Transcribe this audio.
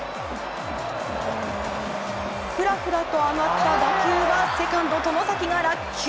ふらふらと上がった打球をセカンド外崎が落球。